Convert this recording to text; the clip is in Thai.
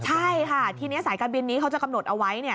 ใช่ค่ะทีนี้สายการบินนี้เขาจะกำหนดเอาไว้